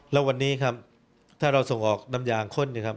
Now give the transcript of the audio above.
แล้ววันนี้ครับถ้าเราส่งออกน้ำยางข้นนะครับ